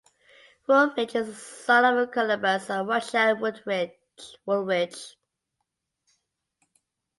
Woolridge is the son of Columbus and Rochelle Woolridge.